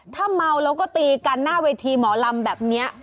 ถ้าเมาแล้วก็ตีกันหน้าเวทีหมอลำแบบนี้